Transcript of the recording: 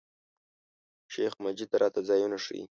شیخ مجید راته ځایونه ښیي.